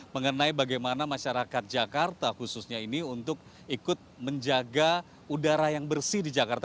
mengenai bagaimana masyarakat jakarta khususnya ini untuk ikut menjaga udara yang bersih di jakarta